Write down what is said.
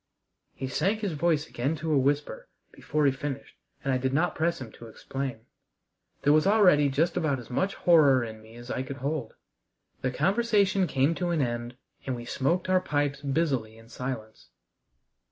He sank his voice again to a whisper before he finished, and I did not press him to explain. There was already just about as much horror in me as I could hold. The conversation came to an end, and we smoked our pipes busily in silence.